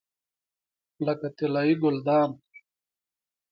لکه طلایي ګلدان.